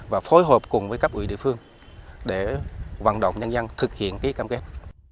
và phối hợp cùng với các ủy địa phương để văn động nhân dân thực hiện cái cam kết